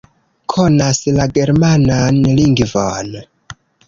Konas la germanan lingvon.